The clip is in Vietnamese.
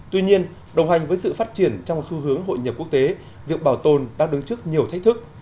tuy nhiên đồng hành với sự phát triển trong xu hướng hội nhập quốc tế việc bảo tồn đang đứng trước nhiều thách thức